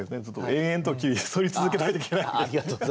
延々とそり続けないといけない。